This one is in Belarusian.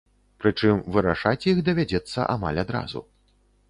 Прычым вырашаць іх давядзецца амаль адразу.